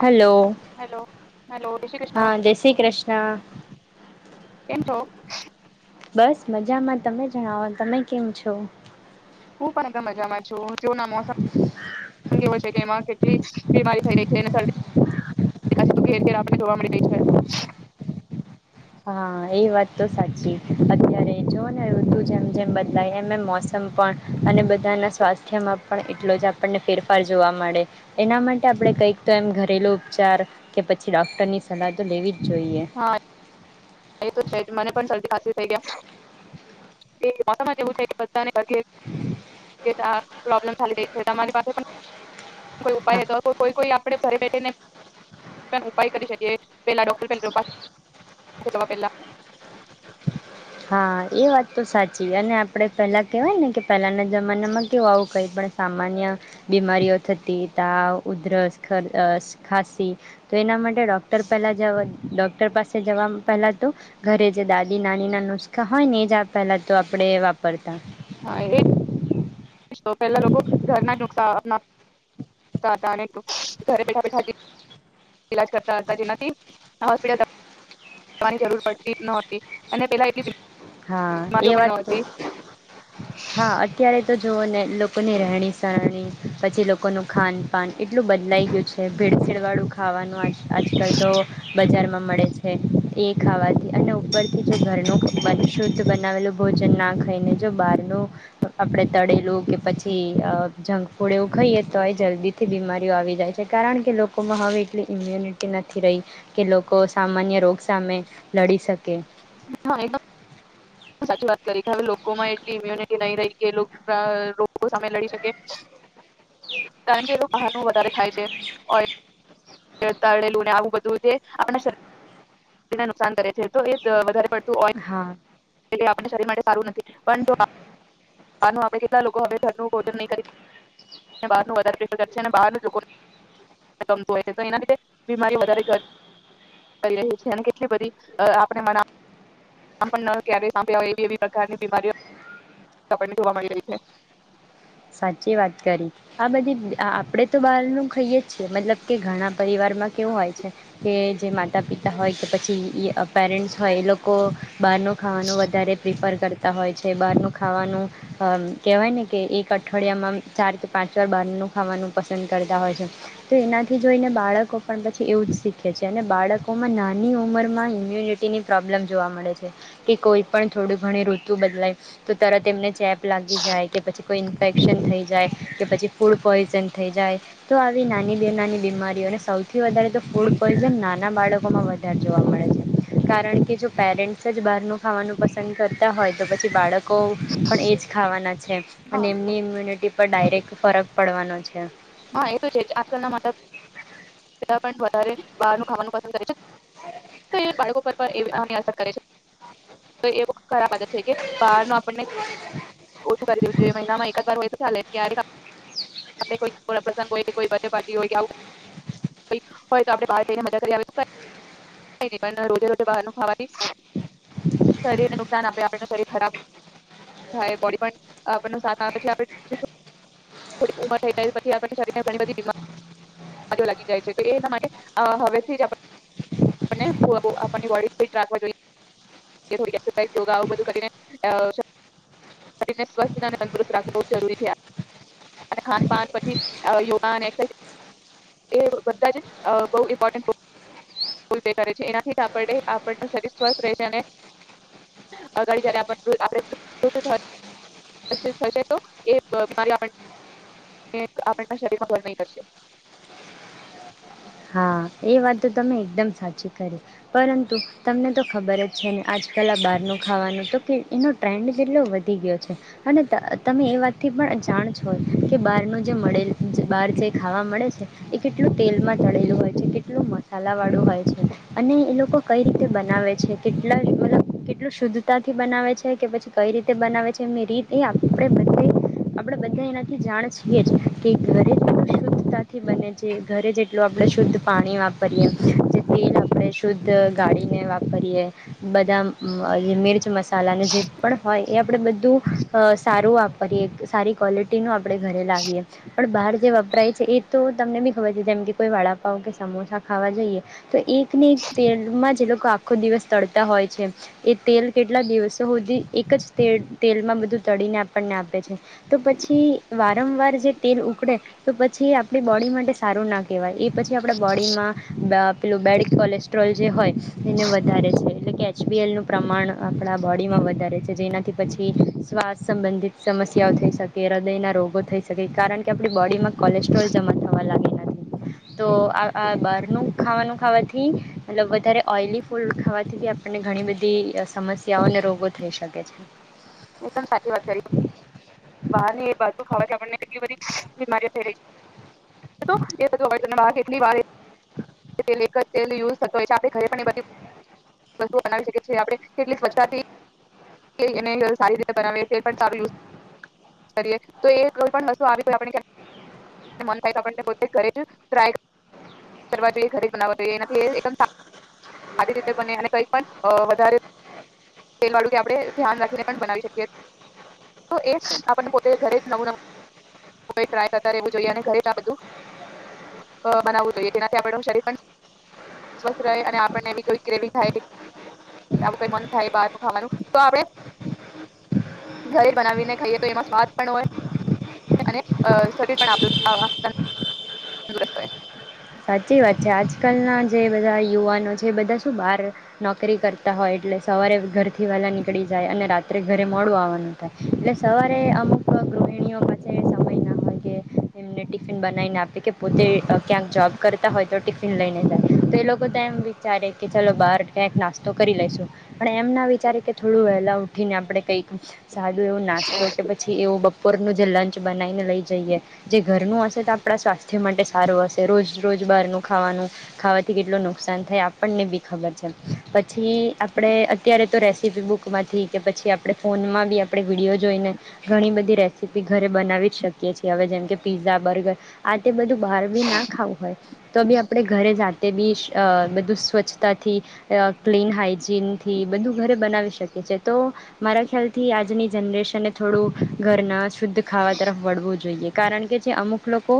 Hello hello hello Shri Krishna હા જય શ્રી કૃષ્ણ કેમ છો? બસ મજામાં તમે જણાવો તમે કેમ છો. હું પણ એ મજામાં છું. જૂના મોસમ કેવો છે કે એમાં બીમારી થઈ રહી છે, શ ઘેર ઘેર આપણને જોવા મળી રહી છે. હા એ વાત તો સાચી અત્યારે જો ને આવું તું જેમ જેમ બદલાય એમ એમ મોસમ પણ અને બધાના સ્વાસ્થ્યમાં પણ એટલો જ આપણને ફેરફાર જોવા મળે, એના માટે આપણેે કંઈક તો એમ ઘરેલુ ઉપચાર કે પછી ડોક્ટર ની સલાહ તો લેવી જ જોઈએ. હા એ તો છે મને પણ શરદી ખાસીસી થઈ ગયા એ મોસમ એવું છે કે [inaudible] પ્રોબ્લેમ ચાલી રહી છે, તમારી પાસે પણ કોઈ હા ઉપાય હતો કોઈ કોઈ આપણે ઘરે બેઠીને ઉપાય કરી શકીએ. પેલા ડોકલ પેલા રૂપ જ પેલા હા એ વાત તો સાચી અને આપણે પહેલા કેહેવાય ને કે પહેલાના જમાનામાં કેવું આવું કઈ પણ સામાન્ય બીમારીઓ થતી, તાવ ઉધરસ, ખસ ખાસી, તો એના માટે ડોક્ટર પહેલા જવા ડોક્ટર પાસે જવા પહેલા તો ઘરે જ જે દાદી નાની ના નુસ્ખા હોય, ને એ જ પહેલા તો આપણે વાપરતા હા એ પહેલા લોકો ઘરના નુકાન હતા, ઘરે બેઠા બેઠા ઈલાજ કરતા હતા, જેનાથી હોસ્પિટલની જરૂર પડતી નતી અને પેલા હા એ બીમારીઓ પણ વાત ન તો હતી હા અત્યારે તો જોવો ને લોકોની રહેણી સરણી પછી લોકોનું ખાનપાન એટલું બદલાઈ ગયું છે, ભેડસેડવાળું ખાવાનું આ આજકાલ તો બજારમાં મળે છે એ ખાવાથી અને ઉપરથી ઘરનું શુદ્ધ બનાવેલું ભોજનના થઈને જો બાર નું આપણે તળેલું કે પછી અ જંક ફૂડ એવું ખાઈએ તો જલ્દીથી બીમારીઓ આવી જાય છે, કારણ કે લોકોમાં હવે એટલી ઇમ્યુનિટી નથી રહી, કે લોકો સામાન્ય રોગ સામે લડી શકે. હા સાચી વાત કરી, કે હવે લોકોમાં એટલી ઇમ્યુનિટી નહી રહી કે રોગો સામે લડી શકે. કારણ કે એવ બહનું વધારે ખાય છે ઓ તળેલું ને આવું બધું જે આપણા શરીર નુકસાન કરે છે તો એ વધારે પડત હા. એ આપણે શરીર માટે સારું નથી. પણ જો બ આપ કે લોકો હવે ઘરનું ભોજન નહીં કરી બાર વધારે પ્રેફર બારમતું હોય છે. તો એના લીધે બીમારી વધારે ઘર કરી લે છે. કેટલી બધી આપણે મ પણ ન ક્યારેય સાંભળી આવે એવી એવી પ્રકારની બીમારીઓ જોવા મળી રહી છે. સાચી વાત કરી આ બધી આપણેે તો બહાર નું ખઈય છીએ મતલબ કે ઘણા પરિવારમાં કેવું હોય છે કે જે માતા પિતા હોય કે પછી પેરેન્ટ્સ હોય એ લોકો બહાર નું ખાવાનું વધારે પ્રીફર કર તા હોય છે. બહારનું ખાવાનું અમ કહેવાય ને કે એક અઠડિયામાં આમ ચાર કે પાંચ વાર બહારનું ખાવાનું પસંદ કરતા હોય છે. તો એનાથી જોઈને બાળકો પણ પછી એવું જ શીખે છે અને બાળકોમાં નાની ઉંમરમાં ઇમ્યુનિટીની પ્રોબ્લેમ જોવા મળે છે કે કોઈ પણ થોડું ઘણી ઋતુ બદલાય તો તરત એને ચેપ- લાગી જાય. કે પછી ઇન્ફેક્શન થઈ જાય. કે પછી ફૂડ પોઈઝન થઈ જાય. તો આવી નાની બે નાની બીમારીઓને સૌથી વધારે તો ફૂડ પોઈઝન નાના બાળકોમાં વધારે જોવા મળે છે. કારણ કે જો પેરેન્ટ્સ જ બહારનું ખાવાનું પસંદ કરતા હોય તો પછી બાળકો પણ એ જ ખાવાના છે. અને હા એમની ઇમ્યુનિટી પર ડાયરેક્ટ ફરક પડવાનો છે. હા, એ તો છે આજકાલ ના માતા પણ વધારે બહારનું ખાવાનું પસંદ કરે છે. તો એ બાળકો પર વી આની અસર કરે છે. તો એ ખરાબ આદત છે કે બહાર નો આપણને ઓછું કરી દેવું જોઇએ. મહિનામાં એકાદ વાર હોય તો ચાલે. ક્યારે આ આપડે કોઈ કોઈ ના પ્રસંગ હોય કે કોઈ બર્થડે પાર્ટી હોય કે હોય તો આપણે બહાર જઈને મજા કરી આવેશ તો ચાલે પર રોજે-રોજે બહાર નું ખાવાથી શરીરને નુકસાન આપે આપણ નું શરીર ખરાબ થાય બોડી પણ. આપણ નું સાથ આપે છે [unintelligible] થોડી ઉમર થઈ જાય પછી આપણ નું શરીર ઘણી બધી બીમારીઓ લાગી જાય છે. તો એના માટે આહ હવેથી આપણ ની બોડી ફિટ રાખવા જોઈ કે થોડી એક્સરસાઇઝ યોગા આવું બધું કરીને આહ શ શરીને સ્વસ્થ અને તંદુરસ્ત રાખવું બ જરૂરી છે અને ખાનપાન પછી અહ યોગા ને એક્સરસાઇઝ એ બધા જે અહ બહુ ઈમ્પોર્ટન્ટ પ્રો ફુલ પે કરે છે. એનાથી આપડે-આપણનું શરીર સ્વસ્થ રહેશે અને [unintelligible] શરીરમાં નહીં કરશે. હા, એ વાત તો તમે એકદમ સાચી કરી. પરંતુ તમને તો ખબર જ છે ને આજકાલ આ બહારનું ખાવાનું તો કે એનો ટ્રેન્ડ કેટલો વધી ગયો છે. અને ત-તમે એ વાતથી પણ અજાણ છો કે બહારનું જે મળેલ જે બહાર જે ખાવા મળે છે, એ કેટલું તેલમાં તળેલું હોય છે, કેટલું મસાલાવાળું હોય છે અને એ લોકો કઈ રીતે બનાવે છે? કેટલા મતલબ કેટલું શુદ્ધતાથી બનાવે છે કે પછી કઈ રીતે બનાવે છે? એમની રીત એ આપણે બધે આપણે બધા એનાથી જાણ છીએ જ કે ઘરેટ શુદ્ધતાથી બને છે. જો આપણે શુદ્ધ પાણી વાપરીએ. જેથી આપણે શુદ્ધ ગાળીને વાપરીએ. બધા મ-મિર્ચ મસા સાલાનો જે પણ હોય એ આપણેે બધું અ સારું વાપરીએ. સારી ક્વોલિટીનું આપડે ઘરે લાવીએ. પણ બહાર જે વપરાય છે એ તો તમને બી ખબર છે જેમ કે કોઈ વડાપાવ કે સમોસા ખાવા જઈએ તો એકને એક તેલમાં જે લોક આ આખો દિવસ તળતા હોય છે. એ તેલ કેટલા દિવસો સુધી એક જ તેલ-તેલમાં બધું તળીને આપણને આપે છે. તો પછી વારંવાર જે તેલ ઉકળે તો પછી આપણી બોડી માટે સારું ના કેવાય. એ પછી આપણા બોડીમાં દા પેલું બેડ કોલેસ્ટ્રોલ જે હોય એને વધારે છે. એટલે કે એચ પી એલ નું પ્રમાણ આપણા બોડીમાં વધારે છે. જેનાથી પછી શ્વાસ સંબંધિત સમસ્યાઓ થઈ શકે, હૃદયના રોગો થઈ શકે. કારણ કે આપણી બોડીમાં કોલેસ્ટ્રોલ જમા થવા લાગે એનાથી. તો આ આ બારનું ખાવાનું ખાવાથી મલ વધારે ઓઈલી ફૂડ ખાવાથી આપણને ઘણી બધી સમસ્યાઓ અને રોગો થઈ શકે છે. એકદમ સાચી વાત કરી બહાર ની એ બાતુ ખાવા આપડ એલી બધ બીમારી ફેરે છે. એ તને. ય થ હોય છે આપસ્ત બનાવીકી છી કેટલી સ્વછ સારી ર. તો વસ્તુ આવી મ થાય પો ઘરે જાય કરવાઈએ ઘરેવ જોઈએ એનાથીારી રીતે કઈ પણ વધ તેલળું આપણે ધ્યાન રાખીને પણ બનાવીકીએ. એ આપને પોતે ઘરે જ નવું નું ટ્રાય કરતા રહેવું જોઈએ અને ઘરે જ આ બધું બનાવવું જોઈએ જેનાથી આપ શરીર પણ સ્વસ્થ રહે અને આપને કોઈ ગ્રેવી થાય આવુંઈ મન થાય બહારનું ખાવાનું તો આપ. ઘરે બનાવીને ખાઈએ તો એમાં સ્વાદ પણ હોય. અને શરીર પણ આપું આ તંદુરસ્ત હોય. જે આજકાલના જે બધા યુવાનો છે એ બધા શું બહાર નોકરી કરતા હોય એટલે સવારે ઘરથી વહેલાં નીકળી જાય અને રાત્રે ઘરે મોડું આવવાનું થાય એટલે સવારે અમુક ગૃહિણીઓ પાસે સમય ના હોય કે એમને ટિફિન બનાવીને આપે કે પોતે ક્યાંક જૉબ. કરતા હોય તો ટિફિન લઈને જાય તો એ લોકો તો એમ વિચારે કે ચાલો બહાર ક્યાંક નાસ્તો કરી લેશું પણ એમ ના વિચારે કે થોડું વહેલાં ઉઠીને આપણે કંઈક. સાદું એવું નાસ્તો કે પછી એવું. બપોરનું જે લંચ બનાવીને લઈ જઈએ જે ઘરનું હશે તો આપણા સ્વાસ્થ્ય માટે સારું હશે રોજ. રોજ બારનું ખાવાનું ખાવાથી કેટલું નુકસાન થાય આપણને બી ખબર છે પછી આપણે અત્યારે તો રેસીપી બુકમાંથી કે પછી આપણે ફોનમાં બી આપણે વિડીયો જોઈને ઘણી બધી રેસીપી ઘરે બનાવી જ શકીએ છીએ હવે જેમ કે પીઝા બર્ગર આ. તે બધું બહારવી નાખ. તો બી આપણે ઘરે જાતે બી બધું સ્વચ્છતાથી ક્લીન હાઈજીન થી બધું ઘરે બનાવી શકીએ છે તો મારા ખ્યાલ થી આજની જનરેશન થોડું ઘરના. શુદ્ધ ખાવા તરફ વળવું જોઈએ. કારણ કે જે અમુક લોકો.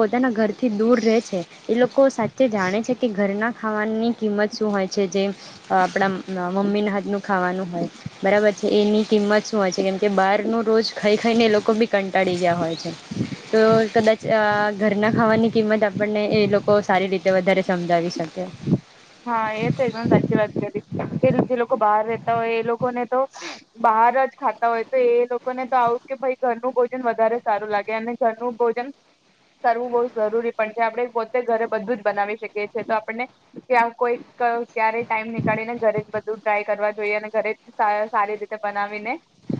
પોતાના ઘર. દૂર રહે છે એ લોકો સાચે જાણે છે કે ઘરના. ના ખાવાની કિંમત શું હોય છે જે આપણા મમ્મીના હાથનું ખાવાનું હોય બરાબર છે એની કિંમત શું હોય છે કેમકે બહાર ન રોજ ખાઈ ખાઈને એ લોકો બી કંટાળી ગયા હોય છે તો કદાચ ઘરના ખાવાની. કિંમત આપણને એ લોકો સારી રીતે વધારે સમજાવી શકે. હા એ તો સાચી વાત કરી કે જે લોકો. બહાર રહેતા હોય એ લોકોને તો બહાર જ ખાતા હોય તો એ લોકોને તો આવું કે ભાઈ ઘરનું ભોજન વધારે સારું લાગે અને ઘરનું ભોજન કરવું બહુ જરૂરી પણ છે આપણે પોતે ઘરે બધું જ બનાવી શકીએ છેએ તો આપણને. કે કોઈ ક્યારેય ટાઈમ નીકળીને ઘરે જ બધું ટ્રાય કરવા જોઈએ અને ઘરે સારી રીતે બનાવીને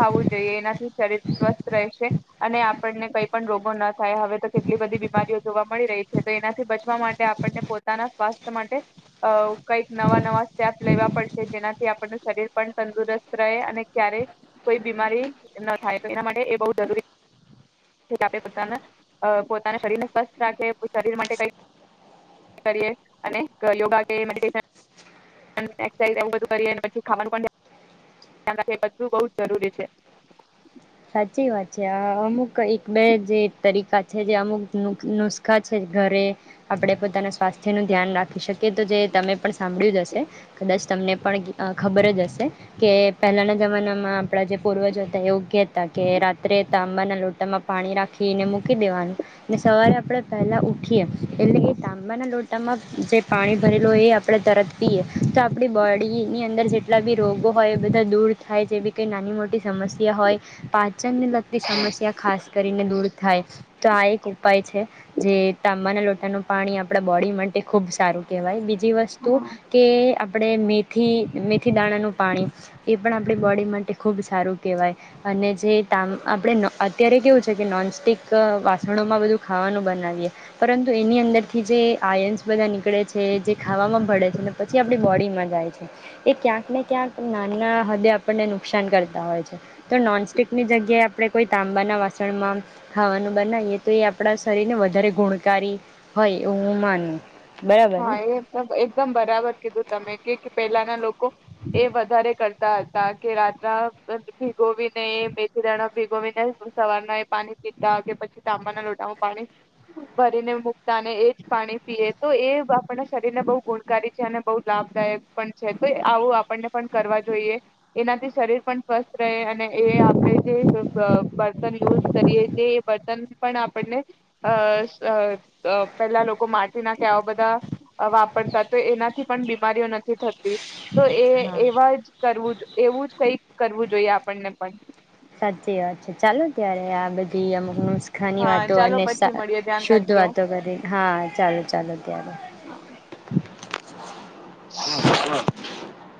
ખાવું જોઈએ એનાથી શરીર સ્વસ્થ રહેશે અને આપણને કઈ પણ રોગો ન થાય હવે તો કેટલી બધી બીમારીઓ જોવા મળી રહી છે તો એનાથી બચવા માટે આપણને પોતાના સ્વાસ્થ્ય માટે. અ કઈક નવા નવા સ્ટેપ લેવા પડશે જેનાથી આપણનું શરીર પણ તંદુરસ્ત રહે અને ક્યારેય કોઈ બીમારી ન થાય તો એના માટે એ બહ જરૂરી આપણે પોતાના પોતાના શરીરને સ્વસ્થ રાખી શરીર માટે કઈ કરીએ અન યોગા કેડટેન એવ બધ કરીએ પી ખાવાનું રાખ બધું બ જરૂરી છે. સાચી વાત છે આ અમુક એક બે જે તરીકા છે જે અમુક નુસ્ખા છે ઘરે આપણે પોતાના સ્વાસ્થ્યનું ધ્યાન રાખી શકીએ તો જે તમે પણ સાંભળ્યું જ હશે કદાચ તમને પણ ખબર જ હશે કે પહેલાના જમાનામાં આપણા જે પૂર્વજો હતા એવગ્ય કે રાત્રે તાંબાના લોટામાં પાણી રાખીને મૂકી દેવાનું ને સવારે આપણે પહેલાં ઉઊઠીએ એટલે કે તાંબાના લોટામાં જે પાણી ભરેલું હોય એ આપણે તરત પીએ તો આપણી બોડીની અંદર જેટલા બી રોગો હોય એ બધા દૂર થાય જેવીી કંઈ નાની મોટી સમસ્યા હોય. પાંચ. વચનને લગતી સમસ્યા ખાસ કરીને દૂર. થાય તો આ એક ઉપાય છે જે તાંબાના લોટાનું પાણી આપણા બોડી માટે ખૂબ સારું કહેવાય બીજ બ વસ્તુ કે આપણે મેથી મેથી દાણાનું પાણી એ પણ આપણી બોડી માટે ખૂબ સારું કહેવાય અને. જે તામ આપણે અત્યારે કેવું છે કે નોનસ્ટિક વાસણોમાં બધું ખાવાનું બનાવીએ પરંતુ એની અંદરથી જે આયન્સ બધા નીકળે છે જે ખાવામાં ભળે છે ને પછી આપણી બોડીમાં જાય છે એ ક્યાંક ને ક્યાંક નાના હદે આપણને નુકસાન કરતા હોય છે તો નોનસ્ટિક ની જગ્યાએ આપણે કોઈ તાંબાના વાસણમાં ખાવાનું બનાવીએ તો એ આપણા શરીરને વધારે ગુણકારી હોય એવું હું માનું. બરાબર હા ને એ એકદમ બરાબર કીધું તમે કે પહેલાના લોકો એ વધારે કરતા હતા કે રાત્રના ભીગોવીને મેથી દણા ભીગોવીને સવારના એ પાણી પીતા કે પછી તાંબાના લોટામાં પાણી ભરીને મૂકતા અનેને એ જ પાણી પીએ તો એ. આપ શરીરને બહુ ગુણકારી છે અને બહુ લાભદાયક પણ છે તો આવું આપણને પણ કરવા જોઈએ એનાથી શરીર પણ સ્વસ્થ રહે અને એ આપણે જે બર્તન યુઝ કરીએ જે બર્તન પણ આપણને અ પેલા લોકો માટી નાખે આવા બધા વાપરતા તો એનાથી પણ બીમારીઓ નથી થતી. તો એ હા એવા જ કરવું જો એવું જ કઈક કરવું જોઈએ આપણને પણ. સાચી વાત છે ચાલો ત્યારે આ બધી અમુક ન હા વાતો ચાલો અને પછી મળીએ ધ્યાન શુદ્ધ રાખજો. વાતો કરી હા ચાલો ચાલો ત્યારે. હા.